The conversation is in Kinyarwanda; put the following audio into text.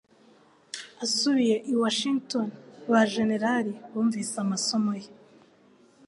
Asubiye i Washington, ba jenerali bumvise amasomo ye.